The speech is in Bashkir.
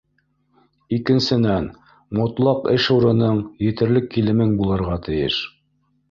Икенсенән, мотлаҡ эш урының, етерлек килемең булырға тейеш.